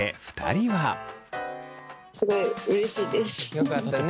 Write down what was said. よかったね。